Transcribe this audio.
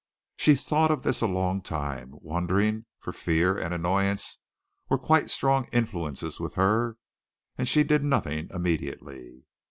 She thought of this a long time, wondering, for fear and annoyance were quite strong influences with her, and she did nothing immediately.